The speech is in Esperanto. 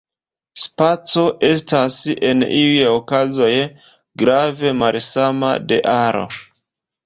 Spaco estas en iuj okazoj grave malsama de aro.